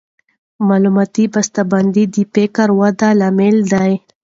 معلوماتي بسته بندي د فکري ودې لامل دی.